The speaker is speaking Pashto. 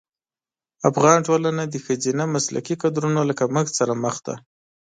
افغان ټولنه د ښځینه مسلکي کدرونو له کمښت سره مخ ده.